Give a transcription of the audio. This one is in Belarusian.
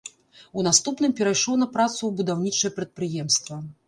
У наступным перайшоў на працу ў будаўнічае прадпрыемства.